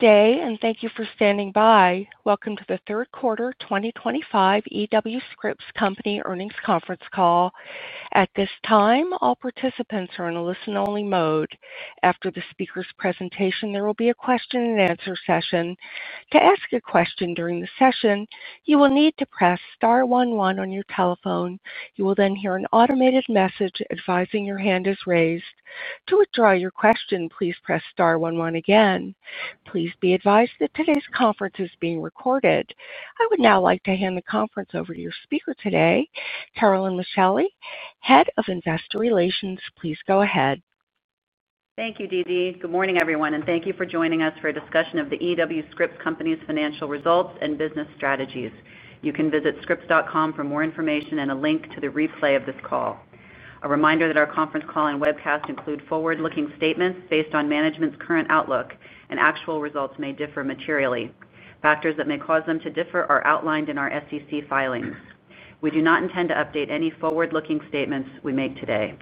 Good day, and thank you for standing by. Welcome to the third quarter 2025 E.W. Scripps Company earnings conference call. At this time, all participants are in a listen-only mode. After the speaker's presentation, there will be a question-and-answer session. To ask a question during the session, you will need to press star one one on your telephone. You will then hear an automated message advising your hand is raised. To withdraw your question, please press star one one again. Please be advised that today's conference is being recorded. I would now like to hand the conference over to your speaker today, Carolyn Micheli, Head of Investor Relations. Please go ahead. Thank you, Dee Dee. Good morning, everyone, and thank you for joining us for a discussion of the E.W. Scripps Company's financial results and business strategies. You can visit scripps.com for more information and a link to the replay of this call. A reminder that our conference call and webcast include forward-looking statements based on management's current outlook, and actual results may differ materially. Factors that may cause them to differ are outlined in our SEC filings. We do not intend to update any forward-looking statements we make today.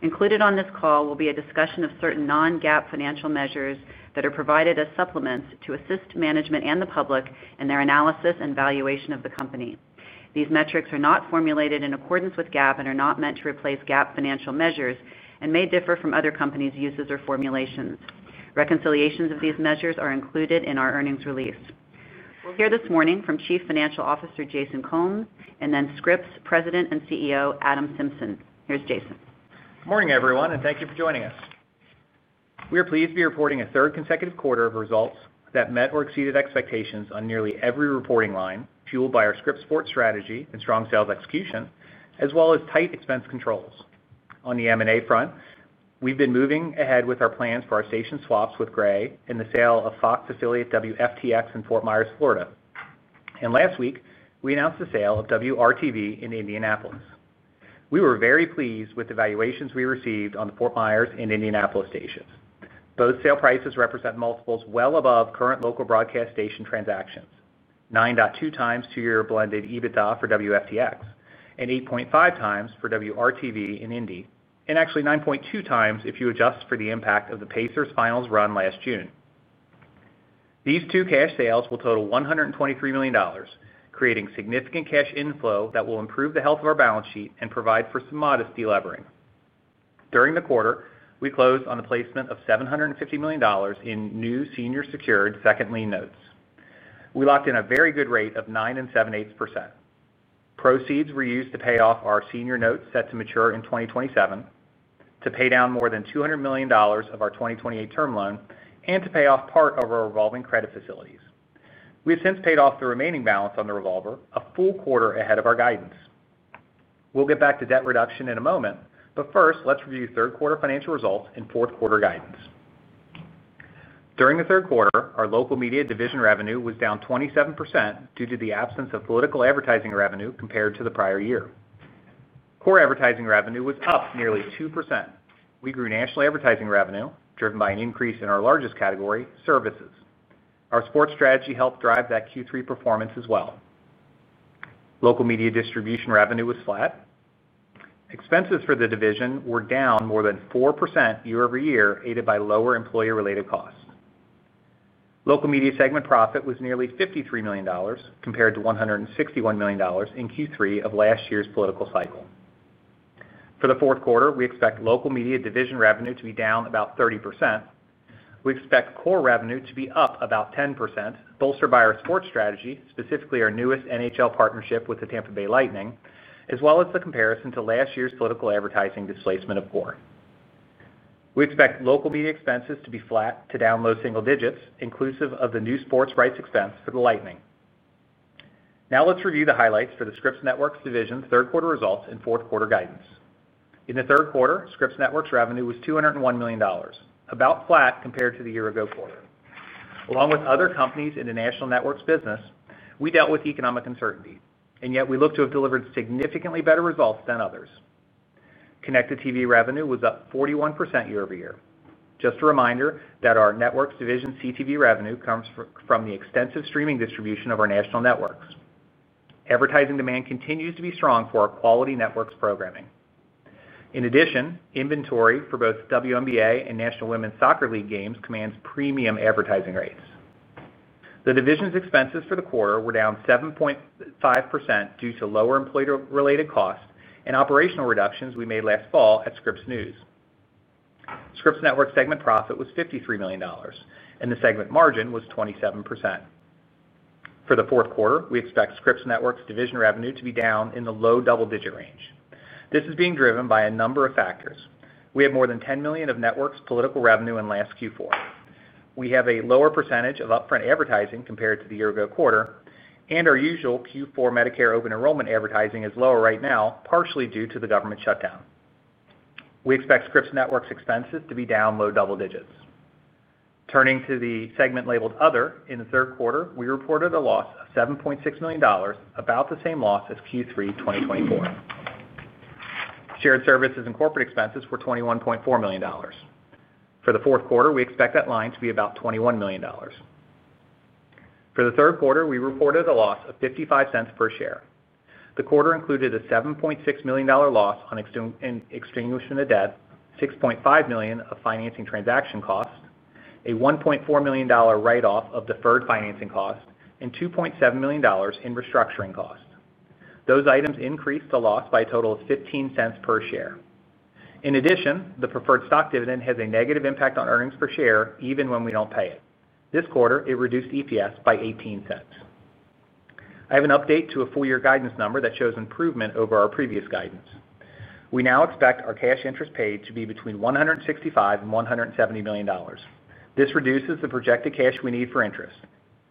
Included on this call will be a discussion of certain non-GAAP financial measures that are provided as supplements to assist management and the public in their analysis and valuation of the company. These metrics are not formulated in accordance with GAAP and are not meant to replace GAAP financial measures and may differ from other companies' uses or formulations. Reconciliations of these measures are included in our earnings release. We'll hear this morning from Chief Financial Officer Jason Combs, and then Scripps President and CEO Adam Symson. Here's Jason. Good morning, everyone, and thank you for joining us. We are pleased to be reporting a third consecutive quarter of results that met or exceeded expectations on nearly every reporting line, fueled by our Scripps Sports strategy and strong sales execution, as well as tight expense controls. On the M&A front, we've been moving ahead with our plans for our station swaps with Gray and the sale of Fox affiliate WFTX in Fort Myers, Florida. Last week, we announced the sale of WRTV in Indianapolis. We were very pleased with the valuations we received on the Fort Myers and Indianapolis stations. Both sale prices represent multiples well above current local broadcast station transactions: 9.2x to your blended EBITDA for WFTX, and 8.5x for WRTV in Indy, and actually 9.2x if you adjust for the impact of the Pacers' finals run last June. These two cash sales will total $123 million, creating significant cash inflow that will improve the health of our balance sheet and provide for some modest delevering. During the quarter, we closed on a placement of $750 million in new senior-secured second-lien notes. We locked in a very good rate of 9.78%. Proceeds were used to pay off our senior notes set to mature in 2027, to pay down more than $200 million of our 2028 term loan, and to pay off part of our revolving credit facilities. We have since paid off the remaining balance on the revolver a full quarter ahead of our guidance. We'll get back to debt reduction in a moment, but first, let's review third quarter financial results and fourth quarter guidance. During the third quarter, our local media division revenue was down 27% due to the absence of political advertising revenue compared to the prior year. Core advertising revenue was up nearly 2%. We grew national advertising revenue, driven by an increase in our largest category, services. Our sports strategy helped drive that Q3 performance as well. Local media distribution revenue was flat. Expenses for the division were down more than 4% year over year, aided by lower employee-related costs. Local media segment profit was nearly $53 million compared to $161 million in Q3 of last year's political cycle. For the fourth quarter, we expect local media division revenue to be down about 30%. We expect core revenue to be up about 10%, bolstered by our sports strategy, specifically our newest NHL partnership with the Tampa Bay Lightning, as well as the comparison to last year's political advertising displacement of core. We expect local media expenses to be flat to down low single digits, inclusive of the new sports rights expense for the Lightning. Now let's review the highlights for the Scripps Networks division third quarter results and fourth quarter guidance. In the third quarter, Scripps Networks revenue was $201 million, about flat compared to the year-ago quarter. Along with other companies in the national networks business, we dealt with economic uncertainty, and yet we look to have delivered significantly better results than others. Connected TV revenue was up 41% year over year. Just a reminder that our Networks division CTV revenue comes from the extensive streaming distribution of our national networks. Advertising demand continues to be strong for our quality networks programming. In addition, inventory for both WNBA and National Women's Soccer League games commands premium advertising rates. The division's expenses for the quarter were down 7.5% due to lower employee-related costs and operational reductions we made last fall at Scripps News. Scripps Networks' segment profit was $53 million, and the segment margin was 27%. For the fourth quarter, we expect Scripps Networks' division revenue to be down in the low double-digit range. This is being driven by a number of factors. We had more than $10 million of Networks' political revenue in last Q4. We have a lower percentage of upfront advertising compared to the year-ago quarter, and our usual Q4 Medicare open enrollment advertising is lower right now, partially due to the government shutdown. We expect Scripps Networks' expenses to be down low double digits. Turning to the segment labeled Other in the third quarter, we reported a loss of $7.6 million, about the same loss as Q3 2024. Shared services and corporate expenses were $21.4 million. For the fourth quarter, we expect that line to be about $21 million. For the third quarter, we reported a loss of $0.55 per share. The quarter included a $7.6 million loss on extinguishing the debt, $6.5 million of financing transaction costs, a $1.4 million write-off of deferred financing costs, and $2.7 million in restructuring costs. Those items increased the loss by a total of $0.15 per share. In addition, the preferred stock dividend has a negative impact on earnings per share even when we don't pay it. This quarter, it reduced EPS by $0.18. I have an update to a four-year guidance number that shows improvement over our previous guidance. We now expect our cash interest paid to be between $165-$170 million. This reduces the projected cash we need for interest.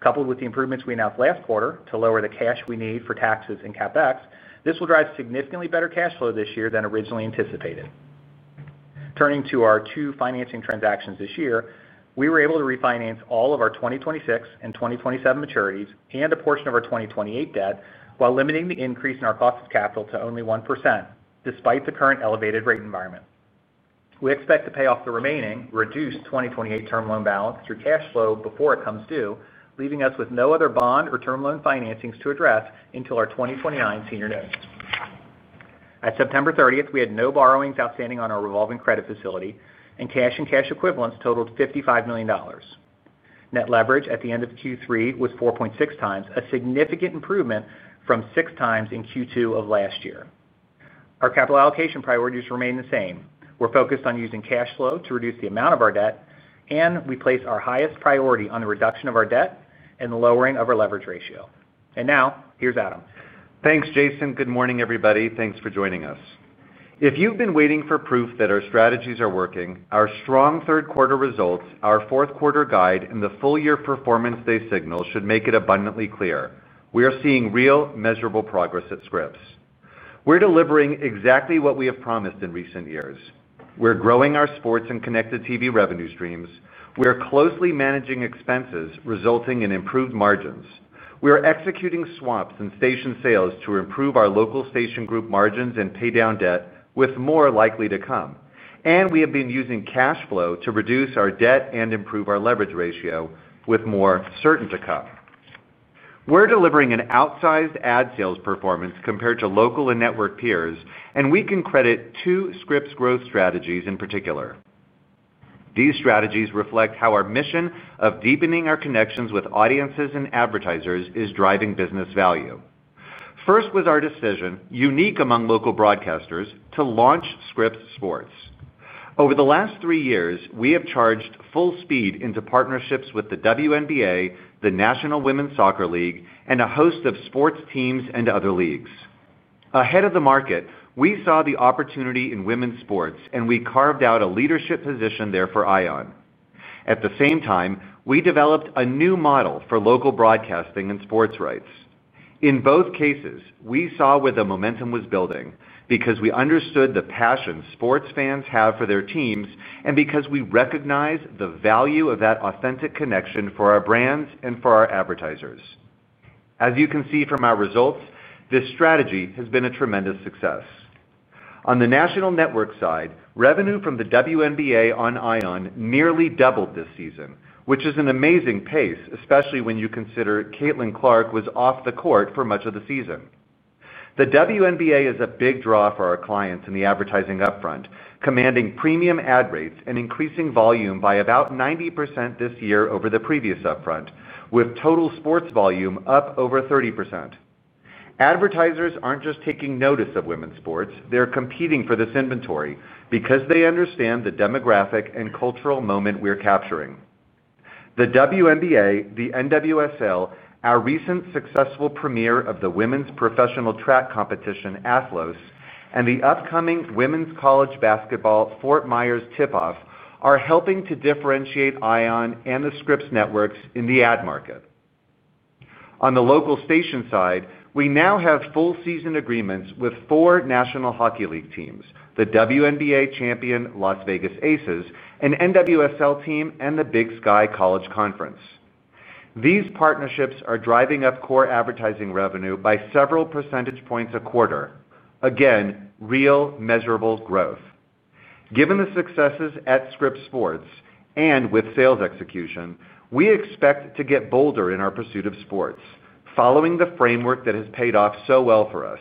Coupled with the improvements we announced last quarter to lower the cash we need for taxes and CapEx, this will drive significantly better cash flow this year than originally anticipated. Turning to our two financing transactions this year, we were able to refinance all of our 2026 and 2027 maturities and a portion of our 2028 debt while limiting the increase in our cost of capital to only 1%, despite the current elevated rate environment. We expect to pay off the remaining, reduced 2028 term loan balance through cash flow before it comes due, leaving us with no other bond or term loan financings to address until our 2029 senior notes. At September 30th, we had no borrowings outstanding on our revolving credit facility, and cash and cash equivalents totaled $55 million. Net leverage at the end of Q3 was 4.6x, a significant improvement from 6x in Q2 of last year. Our capital allocation priorities remain the same. We're focused on using cash flow to reduce the amount of our debt, and we place our highest priority on the reduction of our debt and the lowering of our leverage ratio. Now, here's Adam. Thanks, Jason. Good morning, everybody. Thanks for joining us. If you've been waiting for proof that our strategies are working, our strong third quarter results, our fourth quarter guide, and the full-year performance they signal should make it abundantly clear we are seeing real, measurable progress at Scripps. We're delivering exactly what we have promised in recent years. We're growing our sports and connected TV revenue streams. We are closely managing expenses, resulting in improved margins. We are executing swaps and station sales to improve our local station group margins and pay down debt with more likely to come. We have been using cash flow to reduce our debt and improve our leverage ratio with more certain to come. We're delivering an outsized ad sales performance compared to local and network peers, and we can credit two Scripps growth strategies in particular. These strategies reflect how our mission of deepening our connections with audiences and advertisers is driving business value. First was our decision, unique among local broadcasters, to launch Scripps Sports. Over the last three years, we have charged full speed into partnerships with the WNBA, the National Women's Soccer League, and a host of sports teams and other leagues. Ahead of the market, we saw the opportunity in women's sports, and we carved out a leadership position there for Ion. At the same time, we developed a new model for local broadcasting and sports rights. In both cases, we saw where the momentum was building because we understood the passion sports fans have for their teams and because we recognize the value of that authentic connection for our brands and for our advertisers. As you can see from our results, this strategy has been a tremendous success. On the national network side, revenue from the WNBA on Ion nearly doubled this season, which is an amazing pace, especially when you consider Caitlin Clark was off the court for much of the season. The WNBA is a big draw for our clients in the advertising upfront, commanding premium ad rates and increasing volume by about 90% this year over the previous upfront, with total sports volume up over 30%. Advertisers aren't just taking notice of women's sports; they're competing for this inventory because they understand the demographic and cultural moment we're capturing. The WNBA, the NWSL, our recent successful premiere of the Women's Professional Track Competition, Athlos, and the upcoming Women's College Basketball Fort Myers Tip-Off are helping to differentiate Ion and the Scripps Networks in the ad market. On the local station side, we now have full-season agreements with four National Hockey League teams, the WNBA champion Las Vegas Aces, an NWSL team, and the Big Sky College Conference. These partnerships are driving up core advertising revenue by several percentage points a quarter. Again, real, measurable growth. Given the successes at Scripps Sports and with sales execution, we expect to get bolder in our pursuit of sports, following the framework that has paid off so well for us: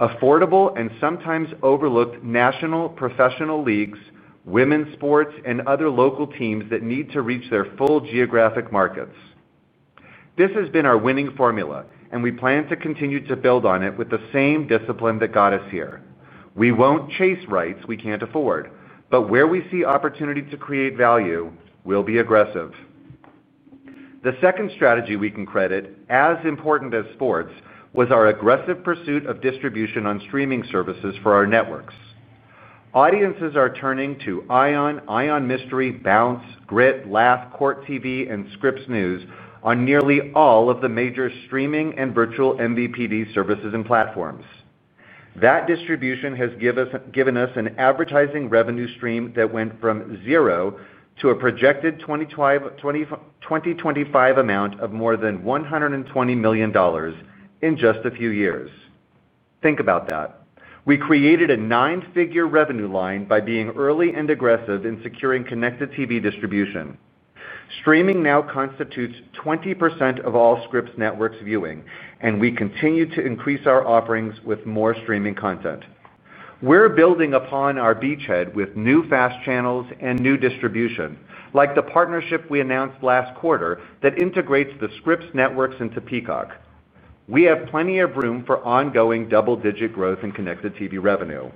affordable and sometimes overlooked national professional leagues, women's sports, and other local teams that need to reach their full geographic markets. This has been our winning formula, and we plan to continue to build on it with the same discipline that got us here. We will not chase rights we cannot afford, but where we see opportunity to create value, we will be aggressive. The second strategy we can credit, as important as sports, was our aggressive pursuit of distribution on streaming services for our networks. Audiences are turning to Ion, Ion Mystery, Bounce, Grit, Laugh, Court TV, and Scripps News on nearly all of the major streaming and virtual MVPD services and platforms. That distribution has given us an advertising revenue stream that went from zero to a projected 2025 amount of more than $120 million in just a few years. Think about that. We created a nine-figure revenue line by being early and aggressive in securing connected TV distribution. Streaming now constitutes 20% of all Scripps Networks viewing, and we continue to increase our offerings with more streaming content. We're building upon our beachhead with new FAST channels and new distribution, like the partnership we announced last quarter that integrates the Scripps Networks into Peacock. We have plenty of room for ongoing double-digit growth in connected TV revenue.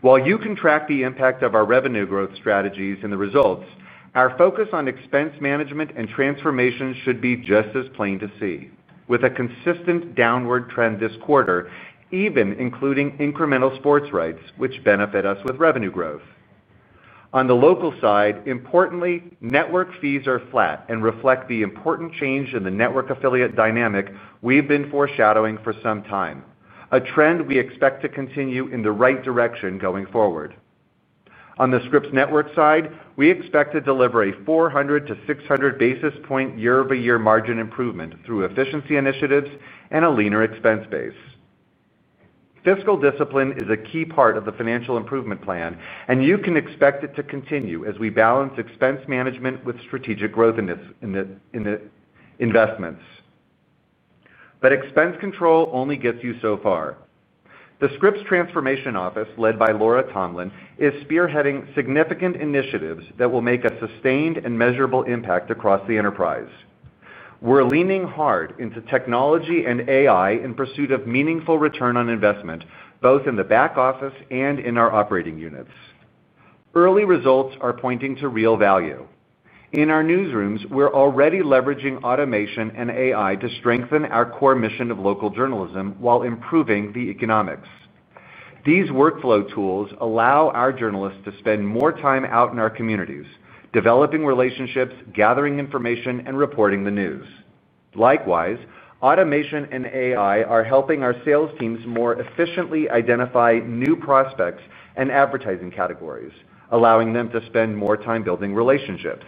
While you can track the impact of our revenue growth strategies in the results, our focus on expense management and transformation should be just as plain to see, with a consistent downward trend this quarter, even including incremental sports rights, which benefit us with revenue growth. On the local side, importantly, network fees are flat and reflect the important change in the network affiliate dynamic we've been foreshadowing for some time, a trend we expect to continue in the right direction going forward. On the Scripps Network side, we expect to deliver a 400-600 basis point year-over-year margin improvement through efficiency initiatives and a leaner expense base. Fiscal discipline is a key part of the financial improvement plan, and you can expect it to continue as we balance expense management with strategic growth in the investments. Expense control only gets you so far. The Scripps Transformation Office, led by Laura Tomlin, is spearheading significant initiatives that will make a sustained and measurable impact across the enterprise. We're leaning hard into technology and AI in pursuit of meaningful return on investment, both in the back office and in our operating units. Early results are pointing to real value. In our newsrooms, we're already leveraging automation and AI to strengthen our core mission of local journalism while improving the economics. These workflow tools allow our journalists to spend more time out in our communities, developing relationships, gathering information, and reporting the news. Likewise, automation and AI are helping our sales teams more efficiently identify new prospects and advertising categories, allowing them to spend more time building relationships.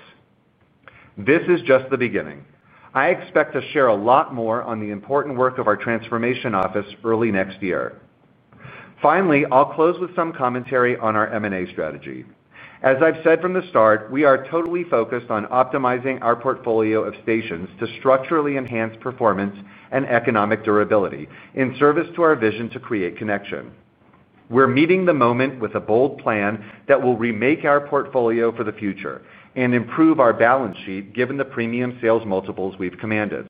This is just the beginning. I expect to share a lot more on the important work of our transformation office early next year. Finally, I'll close with some commentary on our M&A strategy. As I've said from the start, we are totally focused on optimizing our portfolio of stations to structurally enhance performance and economic durability in service to our vision to create connection. We're meeting the moment with a bold plan that will remake our portfolio for the future and improve our balance sheet given the premium sales multiples we've commanded.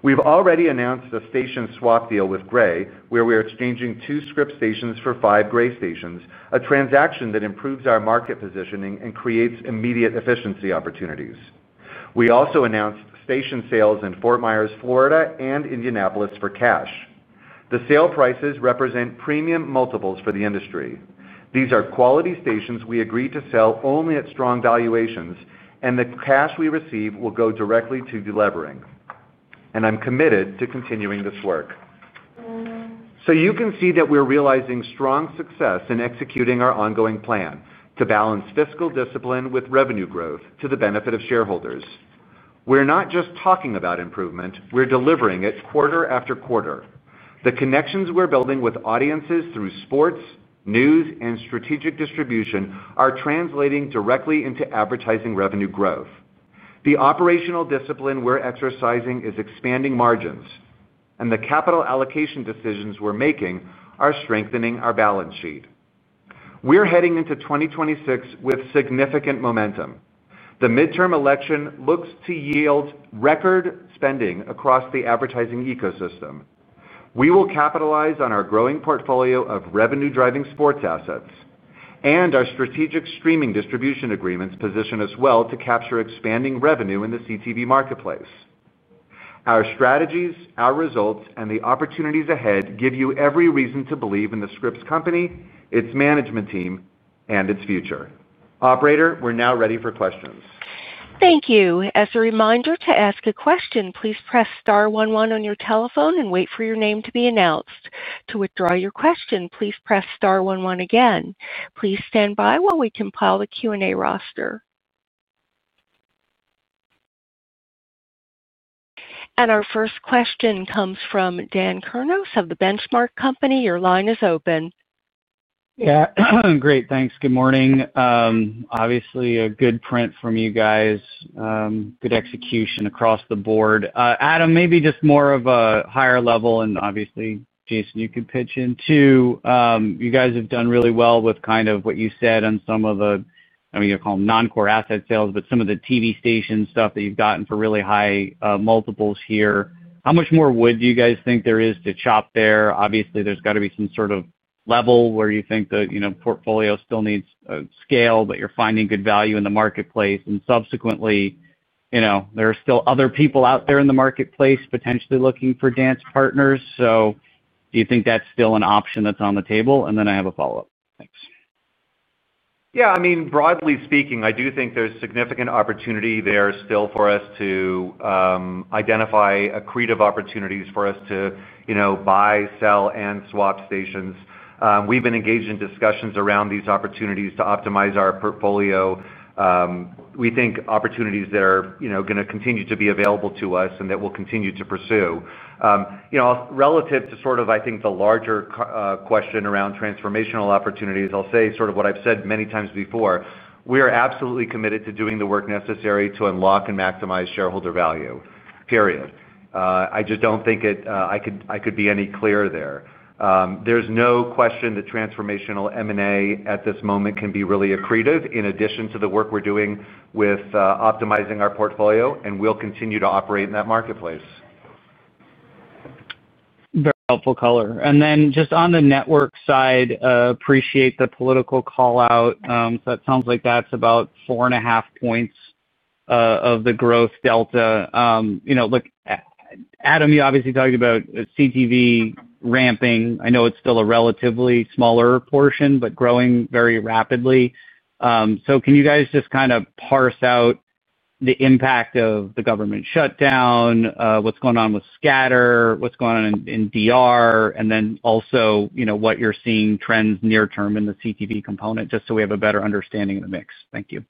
We've already announced a station swap deal with Gray, where we're exchanging two Scripps stations for five Gray stations, a transaction that improves our market positioning and creates immediate efficiency opportunities. We also announced station sales in Fort Myers, Florida, and Indianapolis for cash. The sale prices represent premium multiples for the industry. These are quality stations we agreed to sell only at strong valuations, and the cash we receive will go directly to delivering. I am committed to continuing this work. You can see that we are realizing strong success in executing our ongoing plan to balance fiscal discipline with revenue growth to the benefit of shareholders. We are not just talking about improvement; we are delivering it quarter after quarter. The connections we are building with audiences through sports, news, and strategic distribution are translating directly into advertising revenue growth. The operational discipline we are exercising is expanding margins, and the capital allocation decisions we are making are strengthening our balance sheet. We are heading into 2026 with significant momentum. The midterm election looks to yield record spending across the advertising ecosystem. We will capitalize on our growing portfolio of revenue-driving sports assets and our strategic streaming distribution agreements position us well to capture expanding revenue in the CTV marketplace. Our strategies, our results, and the opportunities ahead give you every reason to believe in the Scripps Company, its management team, and its future. Operator, we're now ready for questions. Thank you. As a reminder to ask a question, please press star one one on your telephone and wait for your name to be announced. To withdraw your question, please press star one one again. Please stand by while we compile the Q&A roster. Our first question comes from Daniel Kurnos of the Benchmark Company. Your line is open. Yeah. Great. Thanks. Good morning. Obviously, a good print from you guys, good execution across the board. Adam, maybe just more of a higher level, and obviously, Jason, you can pitch in too. You guys have done really well with kind of what you said on some of the, I mean, you'll call them non-core asset sales, but some of the TV station stuff that you've gotten for really high multiples here. How much more wood do you guys think there is to chop there? Obviously, there's got to be some sort of level where you think the portfolio still needs scale, but you're finding good value in the marketplace. Subsequently, there are still other people out there in the marketplace potentially looking for dance partners. Do you think that's still an option that's on the table? I have a follow-up. Thanks. Yeah. I mean, broadly speaking, I do think there's significant opportunity there still for us to identify a creative opportunity for us to buy, sell, and swap stations. We've been engaged in discussions around these opportunities to optimize our portfolio. We think opportunities that are going to continue to be available to us and that we'll continue to pursue. Relative to sort of, I think, the larger question around transformational opportunities, I'll say sort of what I've said many times before. We are absolutely committed to doing the work necessary to unlock and maximize shareholder value. Period. I just don't think I could be any clearer there. There's no question that transformational M&A at this moment can be really accretive in addition to the work we're doing with optimizing our portfolio, and we'll continue to operate in that marketplace. Very helpful color. And then just on the network side, appreciate the political call-out. It sounds like that's about four and a half points of the growth delta. Adam, you're obviously talking about CTV ramping. I know it's still a relatively smaller portion, but growing very rapidly. Can you guys just kind of parse out the impact of the government shutdown, what's going on with Scatter, what's going on in DR, and then also what you're seeing trends near-term in the CTV component just so we have a better understanding of the mix? Thank you.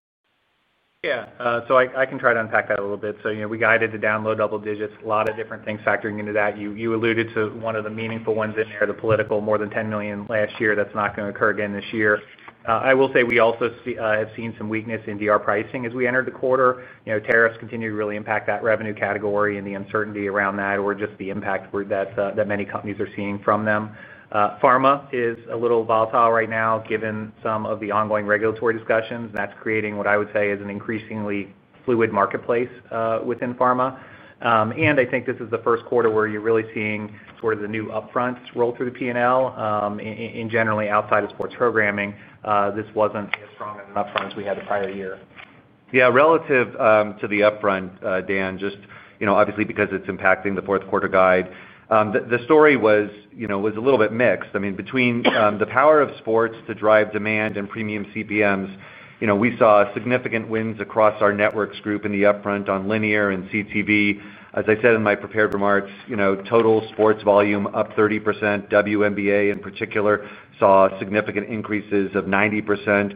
Yeah. I can try to unpack that a little bit. We guided to down low double digits, a lot of different things factoring into that. You alluded to one of the meaningful ones in there, the political more than $10 million last year that's not going to occur again this year. I will say we also have seen some weakness in DR pricing as we entered the quarter. Tariffs continue to really impact that revenue category and the uncertainty around that or just the impact that many companies are seeing from them. Pharma is a little volatile right now given some of the ongoing regulatory discussions, and that's creating what I would say is an increasingly fluid marketplace within Pharma. I think this is the first quarter where you're really seeing sort of the new upfronts roll through the P&L and generally outside of sports programming. This wasn't as strong of an upfront as we had the prior year. Yeah. Relative to the upfront, Dan, just obviously because it's impacting the fourth quarter guide, the story was a little bit mixed. I mean, between the power of sports to drive demand and premium CPMs, we saw significant wins across our networks group in the upfront on linear and CTV. As I said in my prepared remarks, total sports volume up 30%. WNBA in particular saw significant increases of 90%.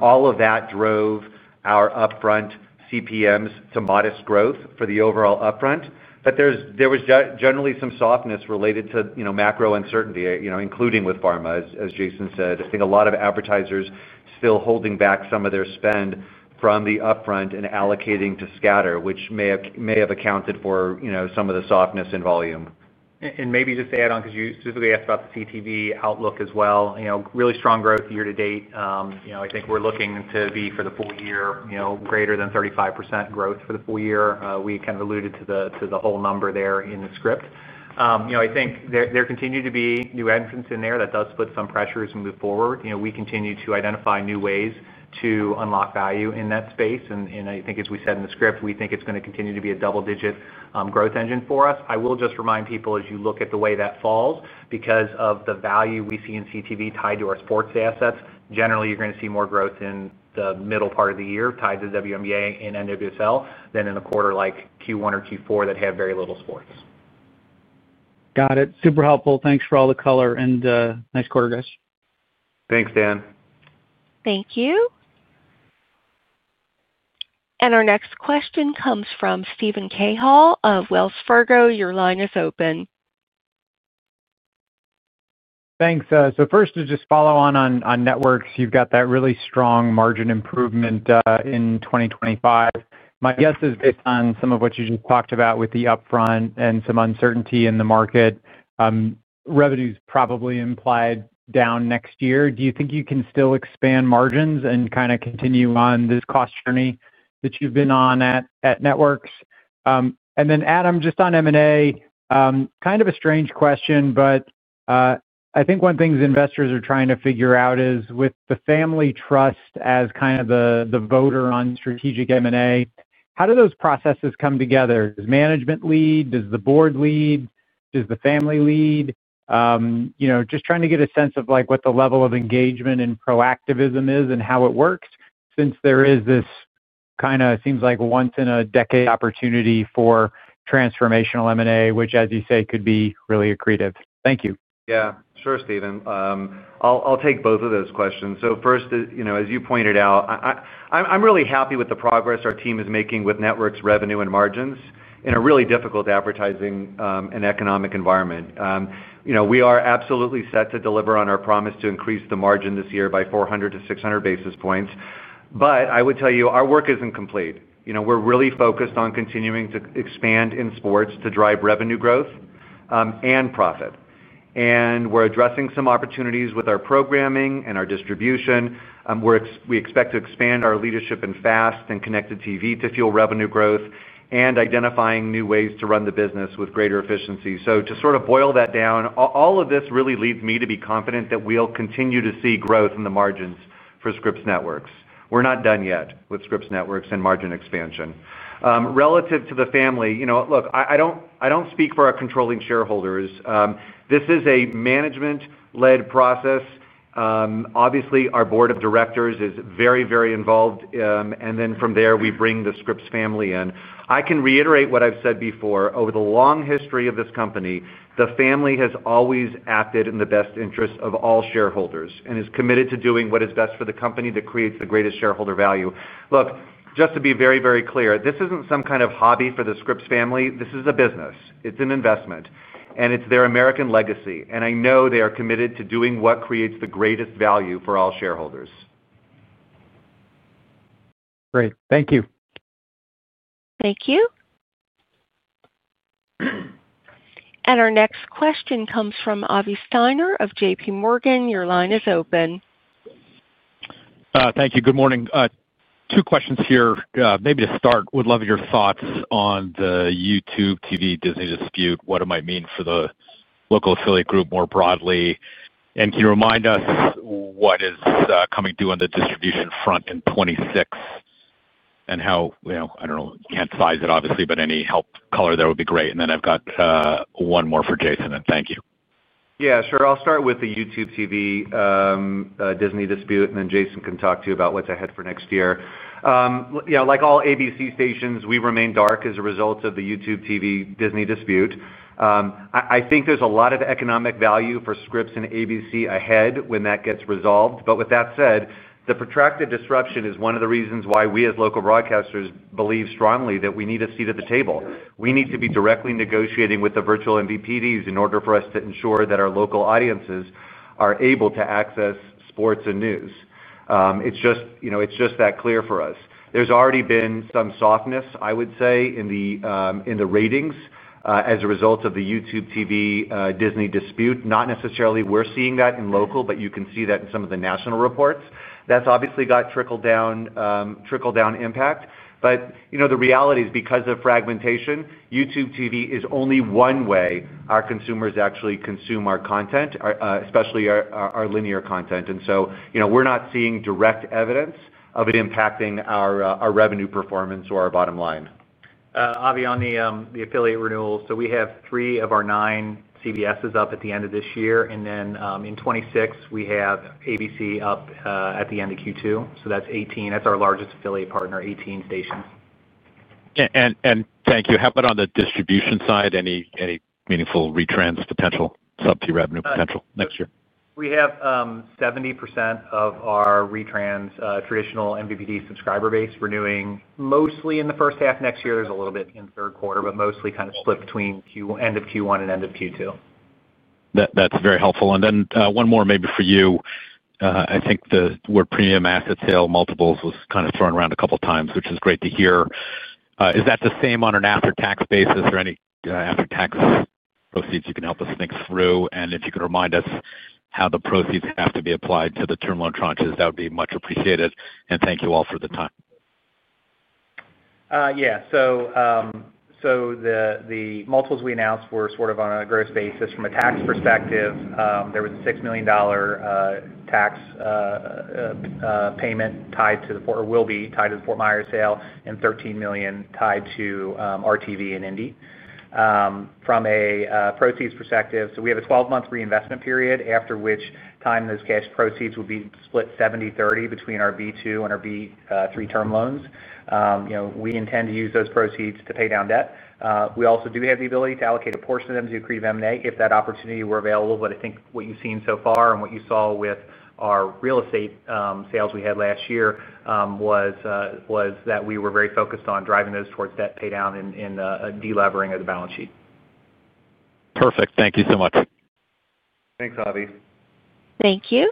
All of that drove our upfront CPMs to modest growth for the overall upfront. There was generally some softness related to macro uncertainty, including with Pharma, as Jason said. I think a lot of advertisers still holding back some of their spend from the upfront and allocating to Scatter, which may have accounted for some of the softness in volume. Maybe just to add on, because you specifically asked about the CTV outlook as well, really strong growth year to date. I think we're looking to be for the full year greater than 35% growth for the full year. We kind of alluded to the whole number there in the script. I think there continue to be new entrants in there that does put some pressures and move forward. We continue to identify new ways to unlock value in that space. I think, as we said in the script, we think it's going to continue to be a double-digit growth engine for us. I will just remind people as you look at the way that falls, because of the value we see in CTV tied to our sports assets, generally you're going to see more growth in the middle part of the year tied to WNBA and NWSL than in a quarter like Q1 or Q4 that have very little sports. Got it. Super helpful. Thanks for all the color and nice quarter, guys. Thanks, Dan. Thank you. Our next question comes from Steven Cahill of Wells Fargo. Your line is open. Thanks. To just follow on on networks, you've got that really strong margin improvement in 2025. My guess is based on some of what you just talked about with the upfront and some uncertainty in the market, revenues probably implied down next year. Do you think you can still expand margins and kind of continue on this cost journey that you've been on at networks? Then, Adam, just on M&A, kind of a strange question, but I think one thing investors are trying to figure out is with the family trust as kind of the voter on strategic M&A, how do those processes come together? Does management lead? Does the board lead? Does the family lead? Just trying to get a sense of what the level of engagement and proactivism is and how it works since there is this kind of, it seems like once-in-a-decade opportunity for transformational M&A, which, as you say, could be really accretive. Thank you. Yeah. Sure, Steven. I'll take both of those questions. First, as you pointed out, I'm really happy with the progress our team is making with networks, revenue, and margins in a really difficult advertising and economic environment. We are absolutely set to deliver on our promise to increase the margin this year by 400-600 basis points. I would tell you, our work isn't complete. We're really focused on continuing to expand in sports to drive revenue growth and profit. We're addressing some opportunities with our programming and our distribution. We expect to expand our leadership in FAST and connected TV to fuel revenue growth and identifying new ways to run the business with greater efficiency. To sort of boil that down, all of this really leads me to be confident that we'll continue to see growth in the margins for Scripps Networks. We're not done yet with Scripps Networks and margin expansion. Relative to the family, look, I don't speak for our controlling shareholders. This is a management-led process. Obviously, our board of directors is very, very involved. From there, we bring the Scripps family in. I can reiterate what I've said before. Over the long history of this company, the family has always acted in the best interests of all shareholders and is committed to doing what is best for the company that creates the greatest shareholder value. Look, just to be very, very clear, this isn't some kind of hobby for the Scripps family. This is a business. It's an investment. And it's their American legacy. I know they are committed to doing what creates the greatest value for all shareholders. Great. Thank you. Thank you. Our next question comes from Avi Steiner of JPMorgan. Your line is open. Thank you. Good morning. Two questions here. Maybe to start, would love your thoughts on the YouTube TV Disney dispute. What it might mean for the local affiliate group more broadly. Can you remind us what is coming to do on the distribution front in 2026 and how, I do not know, you cannot size it, obviously, but any help color there would be great. I have one more for Jason. Thank you. Yeah. Sure. I'll start with the YouTube TV Disney dispute, and then Jason can talk to you about what's ahead for next year. Like all ABC stations, we remain dark as a result of the YouTube TV Disney dispute. I think there's a lot of economic value for Scripps and ABC ahead when that gets resolved. With that said, the protracted disruption is one of the reasons why we, as local broadcasters, believe strongly that we need a seat at the table. We need to be directly negotiating with the virtual MVPDs in order for us to ensure that our local audiences are able to access sports and news. It's just that clear for us. There's already been some softness, I would say, in the ratings as a result of the YouTube TV Disney dispute. Not necessarily we're seeing that in local, but you can see that in some of the national reports. That has obviously got trickle-down impact. The reality is, because of fragmentation, YouTube TV is only one way our consumers actually consume our content, especially our linear content. We are not seeing direct evidence of it impacting our revenue performance or our bottom line. Avi, on the affiliate renewal, we have three of our nine CBSes up at the end of this year. In 2026, we have ABC up at the end of Q2. That is 18. That is our largest affiliate partner, 18 stations. Thank you. How about on the distribution side? Any meaningful retrans potential, sub-T revenue potential next year? We have 70% of our retrans traditional MVPD subscriber base renewing mostly in the first half next year. There's a little bit in third quarter, but mostly kind of split between end of Q1 and end of Q2. That's very helpful. One more maybe for you. I think the word premium asset sale multiples was kind of thrown around a couple of times, which is great to hear. Is that the same on an after-tax basis or any after-tax proceeds you can help us think through? If you could remind us how the proceeds have to be applied to the term loan tranches, that would be much appreciated. Thank you all for the time. Yeah. So the multiples we announced were sort of on a gross basis. From a tax perspective, there was a $6 million tax payment tied to the Fort Myers sale and $13 million tied to RTV and Indie. From a proceeds perspective, we have a 12-month reinvestment period after which time those cash proceeds would be split 70/30 between our B2 and our B3 term loans. We intend to use those proceeds to pay down debt. We also do have the ability to allocate a portion of them to accretive M&A if that opportunity were available. I think what you've seen so far and what you saw with our real estate sales we had last year was that we were very focused on driving those towards debt paydown and delevering of the balance sheet. Perfect. Thank you so much. Thanks, Avi. Thank you.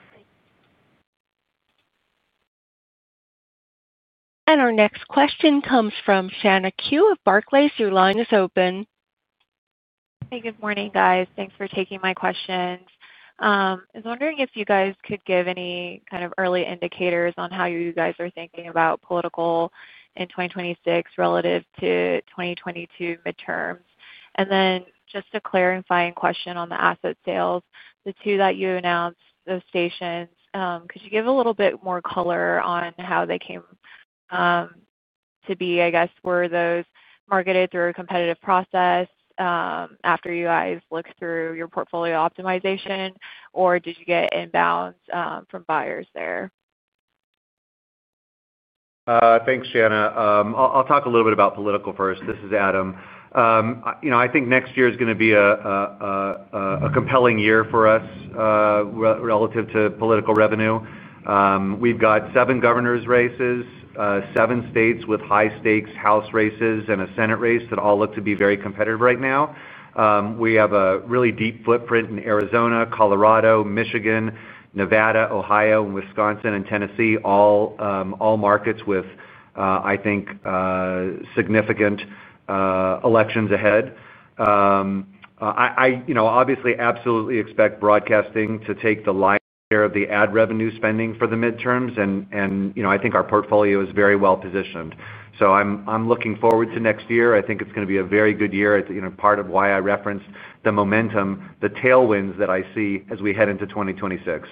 Our next question comes from Shanna Qiu of Barclays. Your line is open. Hey, good morning, guys. Thanks for taking my questions. I was wondering if you guys could give any kind of early indicators on how you guys are thinking about political in 2026 relative to 2022 midterms. Then just a clarifying question on the asset sales. The two that you announced, those stations, could you give a little bit more color on how they came to be, I guess, were those marketed through a competitive process after you guys looked through your portfolio optimization, or did you get inbound from buyers there? Thanks, Shanna. I'll talk a little bit about political first. This is Adam. I think next year is going to be a compelling year for us relative to political revenue. We've got seven governors' races, seven states with high-stakes House races, and a Senate race that all look to be very competitive right now. We have a really deep footprint in Arizona, Colorado, Michigan, Nevada, Ohio, Wisconsin, and Tennessee, all markets with, I think, significant elections ahead. I obviously absolutely expect broadcasting to take the light of care of the ad revenue spending for the midterms. I think our portfolio is very well positioned. I'm looking forward to next year. I think it's going to be a very good year. It's part of why I referenced the momentum, the tailwinds that I see as we head into 2026.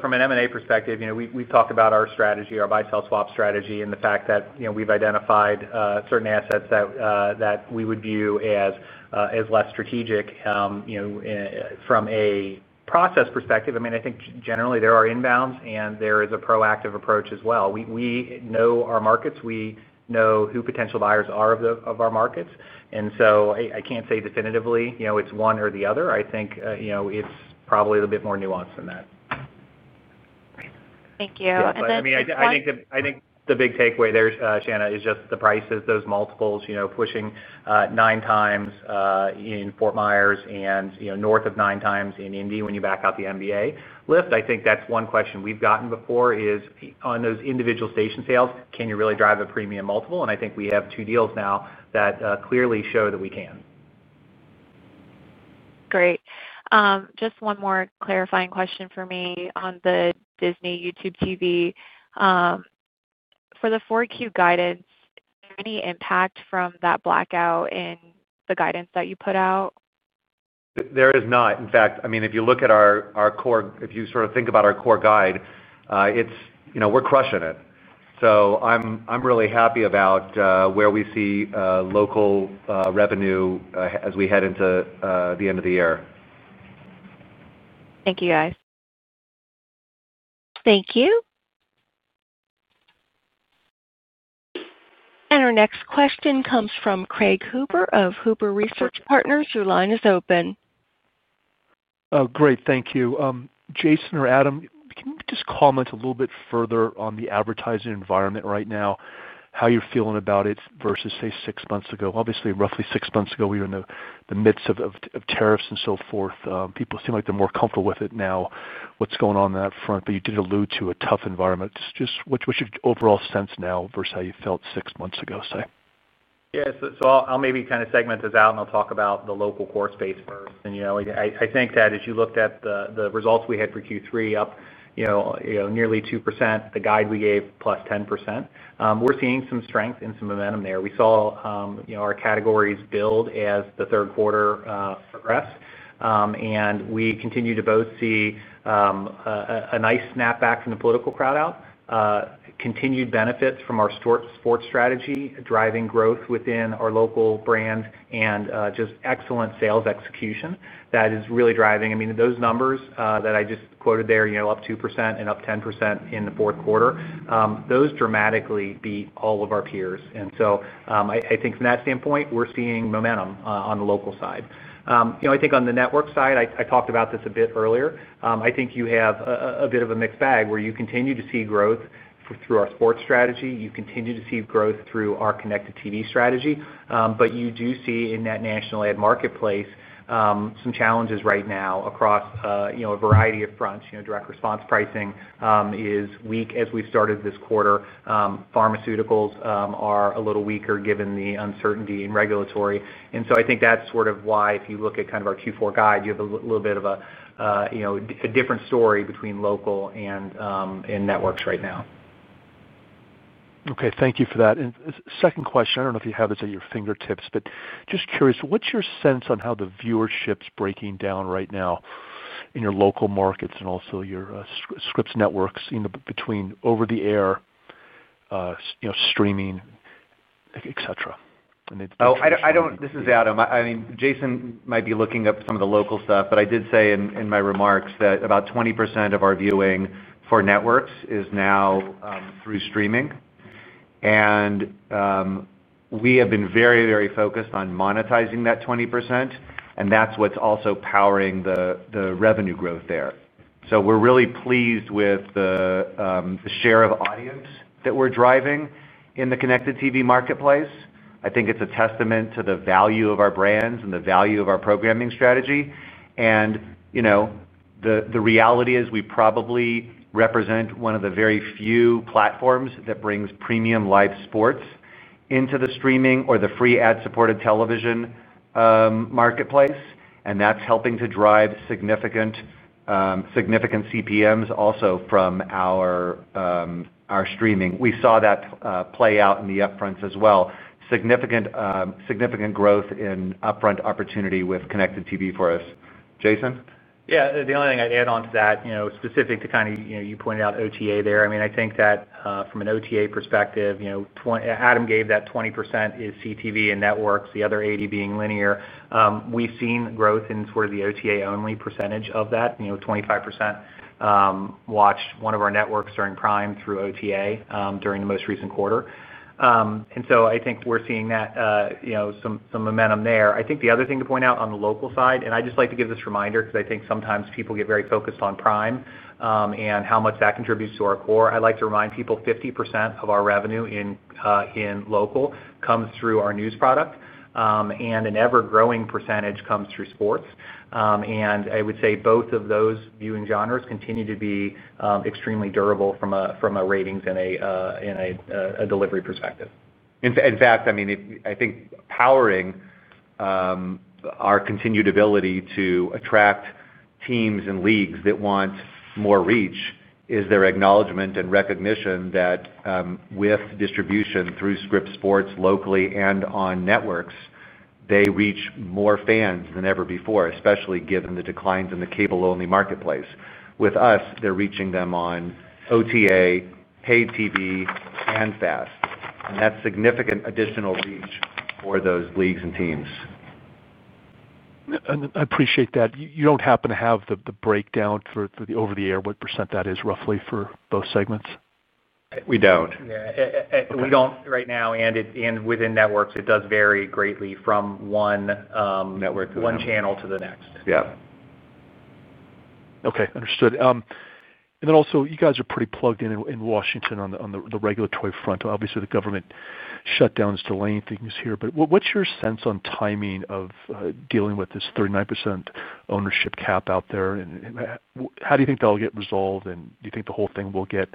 From an M&A perspective, we've talked about our strategy, our buy-sell swap strategy, and the fact that we've identified certain assets that we would view as less strategic. From a process perspective, I mean, I think generally there are inbounds, and there is a proactive approach as well. We know our markets. We know who potential buyers are of our markets. I can't say definitively it's one or the other. I think it's probably a little bit more nuanced than that. Thank you. And then. I mean, I think the big takeaway there, Shanna, is just the prices, those multiples pushing 9x in Fort Myers and north of 9x in Indy when you back out the NBA lift. I think that's one question we've gotten before is on those individual station sales, can you really drive a premium multiple? I think we have two deals now that clearly show that we can. Great. Just one more clarifying question for me on the Disney YouTube TV. For the 4Q guidance, is there any impact from that blackout in the guidance that you put out? There is not. In fact, I mean, if you look at our core, if you sort of think about our core guide, we're crushing it. I am really happy about where we see local revenue as we head into the end of the year. Thank you, guys. Thank you. Our next question comes from Craig Huber of Huber Research Partners. Your line is open. Oh, great. Thank you. Jason or Adam, can you just comment a little bit further on the advertising environment right now, how you're feeling about it versus, say, six months ago? Obviously, roughly six months ago, we were in the midst of tariffs and so forth. People seem like they're more comfortable with it now. What's going on on that front? You did allude to a tough environment. Just what's your overall sense now versus how you felt six months ago, say? Yeah. I'll maybe kind of segment this out, and I'll talk about the local core space first. I think that as you looked at the results we had for Q3, up nearly 2%, the guide we gave plus 10%. We're seeing some strength and some momentum there. We saw our categories build as the third quarter progressed. We continue to both see a nice snapback from the political crowd out, continued benefits from our sports strategy, driving growth within our local brand, and just excellent sales execution that is really driving. I mean, those numbers that I just quoted there, up 2% and up 10% in the fourth quarter, those dramatically beat all of our peers. I think from that standpoint, we're seeing momentum on the local side. I think on the network side, I talked about this a bit earlier. I think you have a bit of a mixed bag where you continue to see growth through our sports strategy. You continue to see growth through our connected TV strategy. You do see in that national ad marketplace some challenges right now across a variety of fronts. Direct response pricing is weak as we've started this quarter. Pharmaceuticals are a little weaker given the uncertainty in regulatory. I think that's sort of why if you look at kind of our Q4 guide, you have a little bit of a different story between local and networks right now. Okay. Thank you for that. Second question, I do not know if you have this at your fingertips, but just curious, what is your sense on how the viewership is breaking down right now in your local markets and also your Scripps Networks between over-the-air, streaming, etc.? Oh, this is Adam. I mean, Jason might be looking up some of the local stuff, but I did say in my remarks that about 20% of our viewing for networks is now through streaming. We have been very, very focused on monetizing that 20%, and that's what's also powering the revenue growth there. We are really pleased with the share of audience that we're driving in the connected TV marketplace. I think it's a testament to the value of our brands and the value of our programming strategy. The reality is we probably represent one of the very few platforms that brings premium live sports into the streaming or the free ad-supported television marketplace. That is helping to drive significant CPMs also from our streaming. We saw that play out in the upfronts as well. Significant growth in upfront opportunity with connected TV for us. Jason? Yeah. The only thing I'd add on to that specific to kind of you pointed out OTA there. I mean, I think that from an OTA perspective, Adam gave that 20% is CTV and networks, the other 80% being linear. We've seen growth in sort of the OTA-only percentage of that, 25% watched one of our networks during Prime through OTA during the most recent quarter. I think we're seeing that some momentum there. I think the other thing to point out on the local side, and I just like to give this reminder because I think sometimes people get very focused on Prime and how much that contributes to our core. I'd like to remind people 50% of our revenue in local comes through our news product, and an ever-growing percentage comes through sports. I would say both of those viewing genres continue to be extremely durable from a ratings and a delivery perspective. In fact, I mean, I think powering our continued ability to attract teams and leagues that want more reach is their acknowledgment and recognition that with distribution through Scripps Sports locally and on networks, they reach more fans than ever before, especially given the declines in the cable-only marketplace. With us, they're reaching them on OTA, paid TV, and FAST. That is significant additional reach for those leagues and teams. I appreciate that. You don't happen to have the breakdown for the over-the-air, what % that is roughly for both segments? We don't. Yeah. We do not right now. And within networks, it does vary greatly from one channel to the next. Yeah. Okay. Understood. You guys are pretty plugged in in Washington on the regulatory front. Obviously, the government shutdown is delaying things here. What is your sense on timing of dealing with this 39% ownership cap out there? How do you think that will get resolved? Do you think the whole thing will get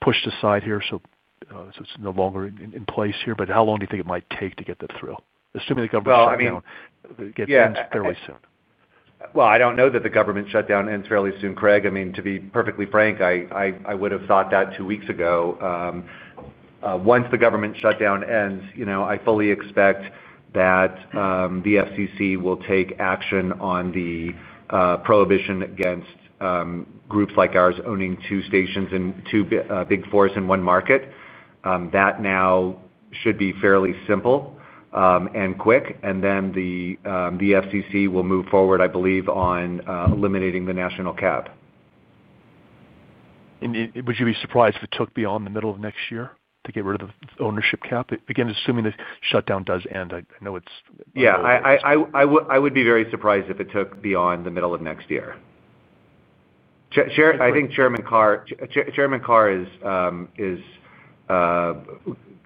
pushed aside here so it is no longer in place here? How long do you think it might take to get that through, assuming the government shuts down and it ends fairly soon? I do not know that the government shutdown ends fairly soon, Craig. I mean, to be perfectly frank, I would have thought that two weeks ago. Once the government shutdown ends, I fully expect that the FCC will take action on the prohibition against groups like ours owning two stations in two big fours in one market. That now should be fairly simple and quick. The FCC will move forward, I believe, on eliminating the national cap. Would you be surprised if it took beyond the middle of next year to get rid of the ownership cap? Again, assuming the shutdown does end, I know it's. Yeah. I would be very surprised if it took beyond the middle of next year. I think Chairman Carris is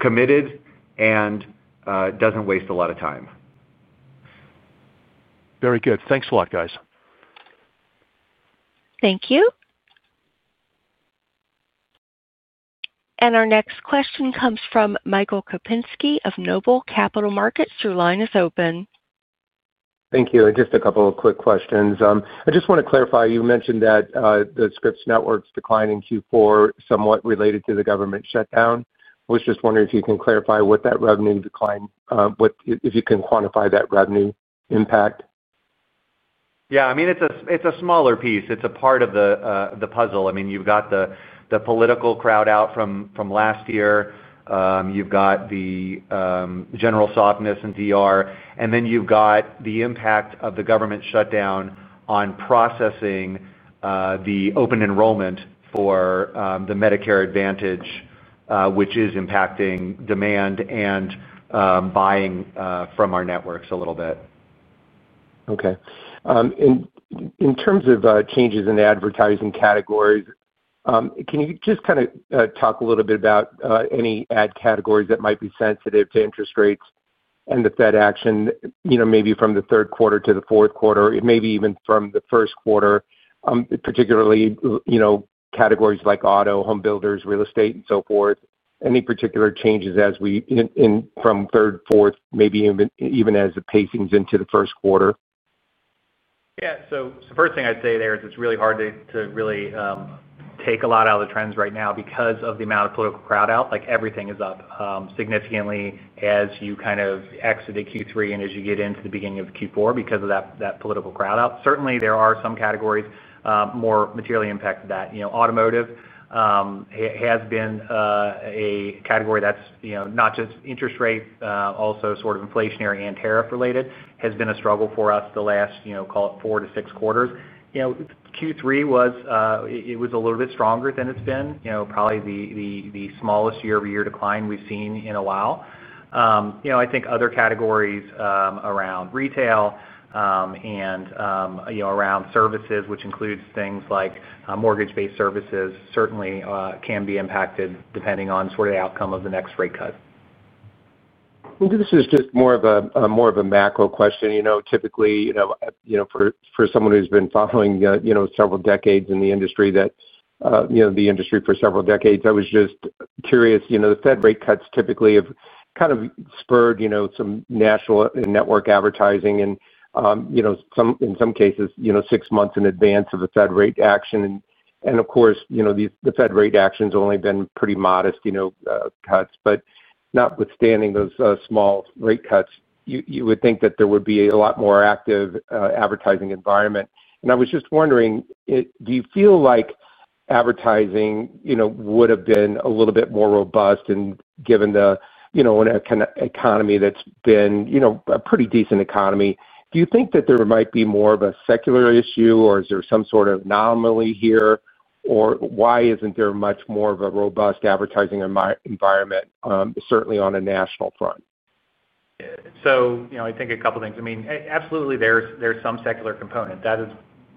committed and doesn't waste a lot of time. Very good. Thanks a lot, guys. Thank you. Our next question comes from Michael Kupinski of Noble Capital Markets. Your line is open. Thank you. Just a couple of quick questions. I just want to clarify. You mentioned that the Scripps Networks decline in Q4 somewhat related to the government shutdown. I was just wondering if you can clarify what that revenue decline, if you can quantify that revenue impact. Yeah. I mean, it's a smaller piece. It's a part of the puzzle. I mean, you've got the political crowd out from last year. You've got the general softness in DR. And then you've got the impact of the government shutdown on processing the open enrollment for the Medicare Advantage, which is impacting demand and buying from our networks a little bit. Okay. In terms of changes in advertising categories, can you just kind of talk a little bit about any ad categories that might be sensitive to interest rates and the Fed action, maybe from the third quarter to the fourth quarter, maybe even from the first quarter, particularly categories like auto, home builders, real estate, and so forth? Any particular changes from third, fourth, maybe even as the pacings into the first quarter? Yeah. The first thing I'd say there is it's really hard to really take a lot out of the trends right now because of the amount of political crowd out. Everything is up significantly as you kind of exit Q3 and as you get into the beginning of Q4 because of that political crowd out. Certainly, there are some categories more materially impacted than that. Automotive has been a category that's not just interest rate, also sort of inflationary and tariff-related. Has been a struggle for us the last, call it, four to six quarters. Q3 was a little bit stronger than it's been. Probably the smallest year-over-year decline we've seen in a while. I think other categories around retail and around services, which includes things like mortgage-based services, certainly can be impacted depending on sort of the outcome of the next rate cut. This is just more of a macro question. Typically, for someone who's been following the industry for several decades, I was just curious. The Fed rate cuts typically have kind of spurred some national network advertising and, in some cases, six months in advance of the Fed rate action. Of course, the Fed rate action's only been pretty modest cuts. Notwithstanding those small rate cuts, you would think that there would be a lot more active advertising environment. I was just wondering, do you feel like advertising would have been a little bit more robust given the kind of economy that's been a pretty decent economy? Do you think that there might be more of a secular issue, or is there some sort of anomaly here? Why isn't there much more of a robust advertising environment, certainly on a national front? I think a couple of things. I mean, absolutely, there's some secular component. That is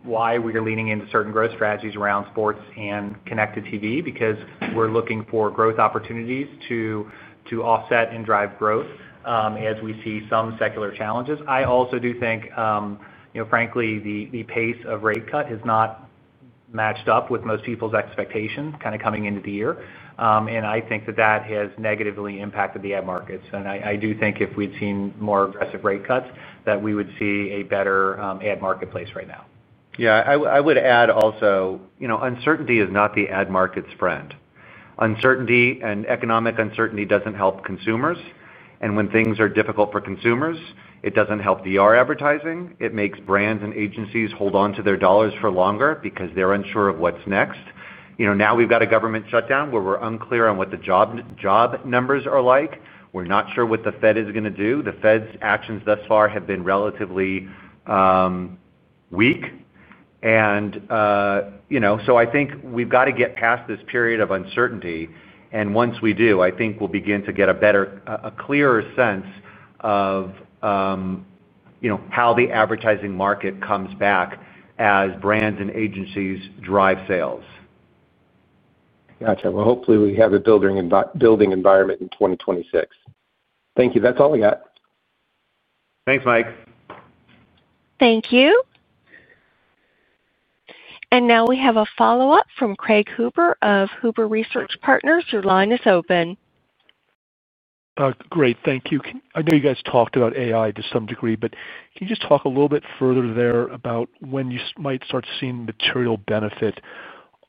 why we are leaning into certain growth strategies around sports and connected TV because we're looking for growth opportunities to offset and drive growth as we see some secular challenges. I also do think, frankly, the pace of rate cut has not matched up with most people's expectations kind of coming into the year. I think that that has negatively impacted the ad markets. I do think if we'd seen more aggressive rate cuts, that we would see a better ad marketplace right now. Yeah. I would add also, uncertainty is not the ad market's friend. Uncertainty and economic uncertainty does not help consumers. And when things are difficult for consumers, it does not help DR advertising. It makes brands and agencies hold on to their dollars for longer because they are unsure of what is next. Now we have got a government shutdown where we are unclear on what the job numbers are like. We are not sure what the Fed is going to do. The Fed's actions thus far have been relatively weak. I think we have got to get past this period of uncertainty. Once we do, I think we will begin to get a clearer sense of how the advertising market comes back as brands and agencies drive sales. Gotcha. Hopefully, we have a building environment in 2026. Thank you. That's all I got. Thanks, Mike. Thank you. Now we have a follow-up from Craig Huber of Huber Research Partners. Your line is open. Great. Thank you. I know you guys talked about AI to some degree, but can you just talk a little bit further there about when you might start seeing material benefit,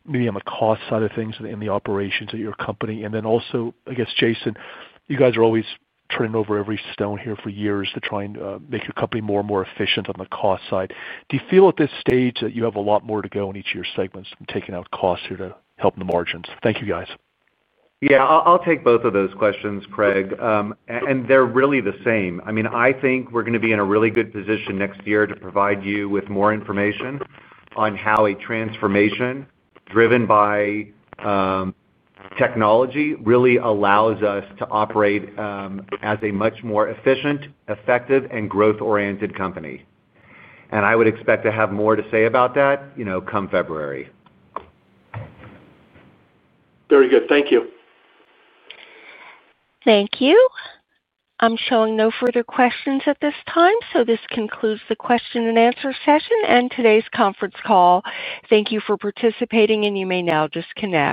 maybe on the cost side of things in the operations at your company? Also, I guess, Jason, you guys are always turning over every stone here for years to try and make your company more and more efficient on the cost side. Do you feel at this stage that you have a lot more to go in each of your segments from taking out costs here to helping the margins? Thank you, guys. Yeah. I'll take both of those questions, Craig. They're really the same. I mean, I think we're going to be in a really good position next year to provide you with more information on how a transformation driven by technology really allows us to operate as a much more efficient, effective, and growth-oriented company. I would expect to have more to say about that come February. Very good. Thank you. Thank you. I'm showing no further questions at this time. This concludes the question-and-answer session and today's conference call. Thank you for participating, and you may now disconnect.